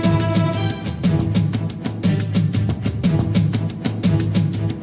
หกหมื่นบาท